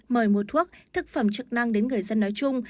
mời mua thuốc thực phẩm chức năng đến người dân nói chung